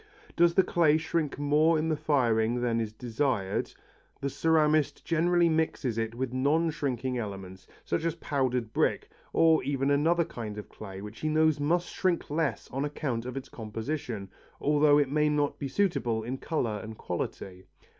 Does the clay shrink more in the firing than is desired, the ceramist generally mixes it with non shrinking elements such as powdered brick, or even another kind of clay which he knows must shrink less on account of its composition, although it may not be suitable in colour and quality.